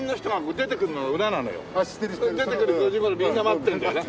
出てくる５時頃みんな待ってるんだよね。